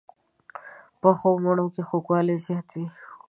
پخو مڼو کې خوږوالی زیات وي